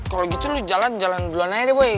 kalau gitu lo jalan jalan duluan aja deh boy